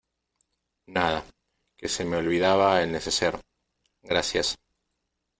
nada, que se me olvidaba el neceser. gracias .